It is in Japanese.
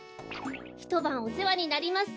ひとばんおせわになります。